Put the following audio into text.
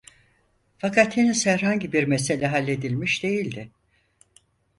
Fakat henüz herhangi bir mesele halledilmiş değildi.